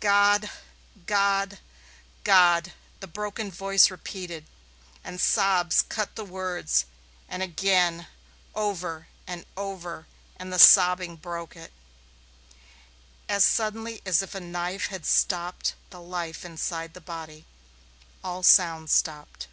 "God, God, God!" the broken voice repeated, and sobs cut the words. And again. Over and over, and again the sobbing broke it. As suddenly as if a knife had stopped the life inside the body, all sound stopped.